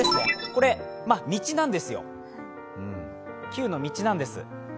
これは道なんですよ、９の道なんです。